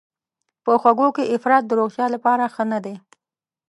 په خوږو کې افراط د روغتیا لپاره ښه نه دی.